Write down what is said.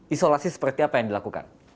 isolasi seperti apa yang dilakukan